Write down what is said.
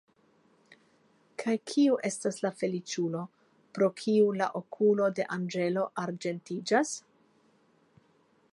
Kaj kiu estas la feliĉulo, pro kiu la okulo de anĝelo arĝentiĝas?